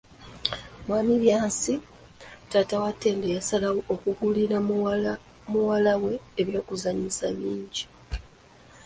Mwami Byansi, taata wa Ttendo yasalawo okugulira muwala we eby'okuzanyisa bingi.